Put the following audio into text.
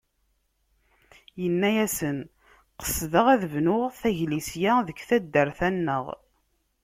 Yenna-yasen qesdeɣ ad bnuɣ taglisya deg taddart-a-nneɣ.